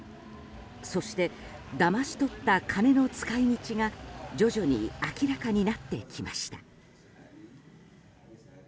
そしてだまし取った金の使い道が徐々に明らかになってきました。